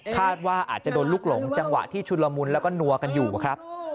คาดว่าอาจจะโดนลูกหลงจังหวะที่ชุนละมุนแล้วก็นัวกันอยู่ครับ